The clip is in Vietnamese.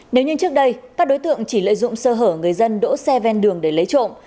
nếu như trước đây các đối tượng chỉ lợi dụng sơ hở người dân đỗ xe ven đường để lấy trộm